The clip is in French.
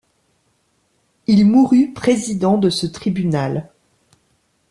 Il mourut président de ce tribunal.